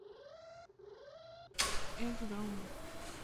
Эй, ухнем!